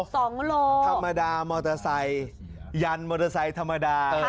สองโลธรรมดามอเตอร์ไซค์ยันมอเตอร์ไซค์ธรรมดา